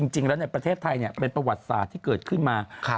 จริงแล้วในประเทศไทยเป็นประวัติศาสตร์ที่เกิดขึ้นมา